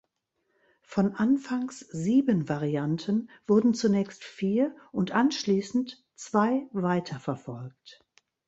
Von anfangs sieben Varianten wurden zunächst vier und anschließend zwei weiterverfolgt.